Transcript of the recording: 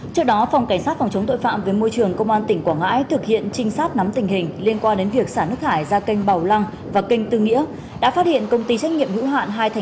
trước đó phòng cảnh sát phòng chống tội phạm với môi trường công an tỉnh quảng ngãi thực hiện trinh sát nắm tình hình liên quan đến việc xã nước hải ra kênh bảo lăng và kênh tư nghĩa